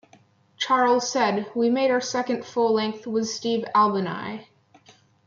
Charles said, We made our second full length with Steve Albini.